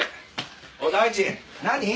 おい大地何？